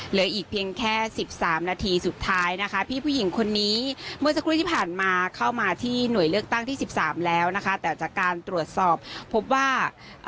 เหลืออีกเพียงแค่สิบสามนาทีสุดท้ายนะคะพี่ผู้หญิงคนนี้เมื่อสักครู่ที่ผ่านมาเข้ามาที่หน่วยเลือกตั้งที่สิบสามแล้วนะคะแต่จากการตรวจสอบพบว่า